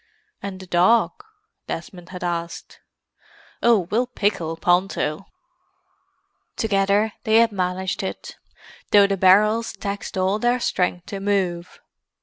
"And the dog?" Desmond had asked. "Oh, we'll pickle Ponto." Together they had managed it, though the barrels taxed all their strength to move.